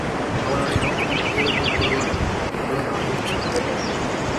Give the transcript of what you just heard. அவனுடைய நோக்கமும் பகைவர்களுக்குப் புலனாயிற்று.